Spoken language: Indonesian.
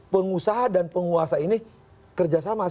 pengusaha dan penguasa ini kerja sama